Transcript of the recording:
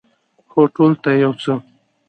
هو، ټولو ته یو څه